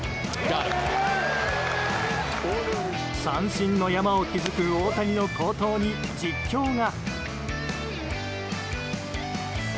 三振の山を築く大谷の好投に実況が。